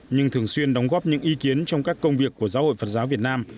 nhưng thường xuyên đóng góp những ý kiến trong các công việc của giáo hội phật giáo việt nam